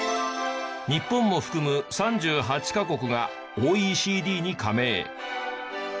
日本も含む３８カ国がＯＥＣＤに加盟。